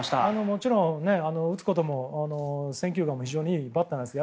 もちろん選球眼も非常にいいバッターです。